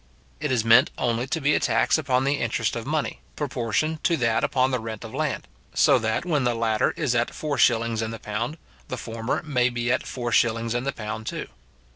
It is meant only to be a tax upon the interest of money, proportioned to that upon the rent of land; so that when the latter is at four shillings in the pound, the former may be at four shillings in the pound too.